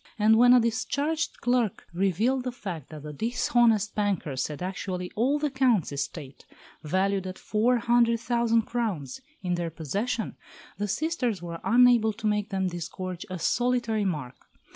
And when a discharged clerk revealed the fact that the dishonest bankers had actually all the Count's estate, valued at four hundred thousand crowns, in their possession, the sisters were unable to make them disgorge a solitary mark.